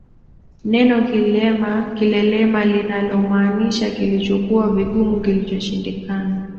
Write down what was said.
Neno kilelema linalomaanisha kilichokuwa vigumu kilichoshindikana